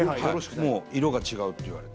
色が違うって言われて。